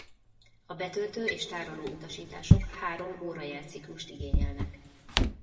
A betöltő és tároló utasítások három órajelciklust igényelnek.